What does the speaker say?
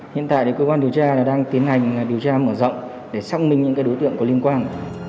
hiện tại cơ quan điều tra đang tiến hành điều tra mở rộng để xác minh những đối tượng có liên quan